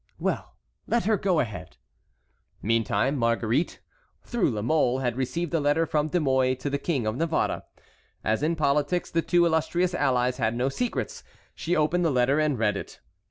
Well, let her go ahead." Meantime Marguerite, through La Mole, had received a letter from De Mouy to the King of Navarre. As in politics the two illustrious allies had no secrets, she opened the letter and read it.